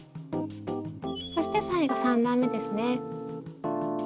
そして最後３段めですね。